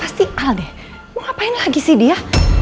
pasti alde ngapain lagi sih dia